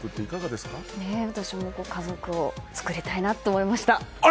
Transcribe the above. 私も家族を作りたいなと思いました。